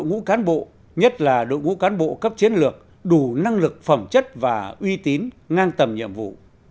ngũ cán bộ nhất là đội ngũ cán bộ cấp chiến lược đủ năng lực phẩm chất và uy tín ngang tầm nhiệm vụ